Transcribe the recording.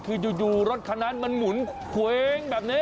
คือกะโน้ตรอันคันนั้นมันหมุน้วนแผงแบบนี้